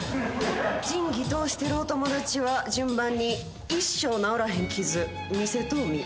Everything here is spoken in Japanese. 仁義通してるお友達は順番に一生治らへん傷見せとうみ。